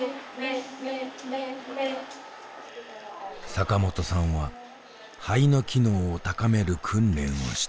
坂本さんは肺の機能を高める訓練をしていた。